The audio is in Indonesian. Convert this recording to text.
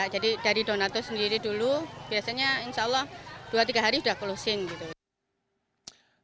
jadi dari donator sendiri dulu biasanya insya allah dua tiga hari sudah closing